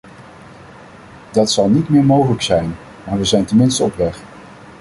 Dat zal niet meer mogelijk zijn, maar we zijn tenminste op weg.